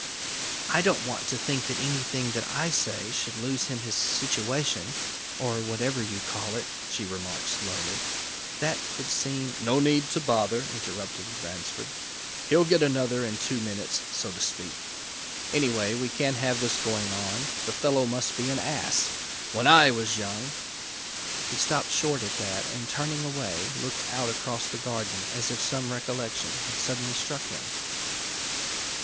"I don't want to think that anything that I say should lose him his situation or whatever you call it," she remarked slowly. "That would seem " "No need to bother," interrupted Ransford. "He'll get another in two minutes so to speak. Anyway, we can't have this going on. The fellow must be an ass! When I was young " He stopped short at that, and turning away, looked out across the garden as if some recollection had suddenly struck him.